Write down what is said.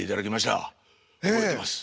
覚えてます。